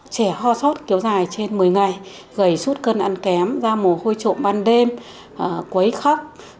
trẻ ho sót kiểu dài trên một mươi ngày gầy suốt cân ăn kém da mồ hôi trộm ban đêm quấy khóc